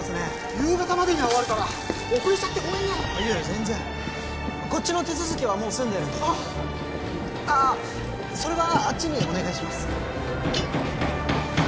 夕方までには終わるから遅れちゃってごめんねいや全然こっちの手続きはもう済んでるんで・ああああそれはあっちにお願いします